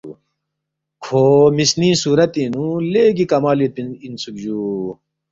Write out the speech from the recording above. کھو مِسنِنگ صُورتِنگ نُو لیگی کمال یودپی اِنسُوک جُو